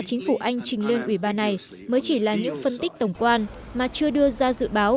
chính phủ anh trình lên ủy ban này mới chỉ là những phân tích tổng quan mà chưa đưa ra dự báo